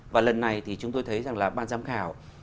và lần này thì chúng tôi thấy rằng là ban giám khảo